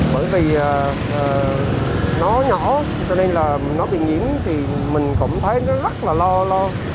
bởi vì nó nhỏ cho nên là nó bị nhiễm thì mình cũng thấy nó rất là lo lo